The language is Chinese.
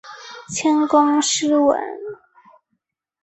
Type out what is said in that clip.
兼工诗文。